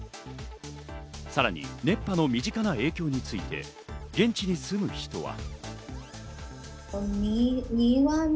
さらに熱波の身近な影響について、現地に住む人は。